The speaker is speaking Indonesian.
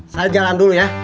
saya jalan dulu ya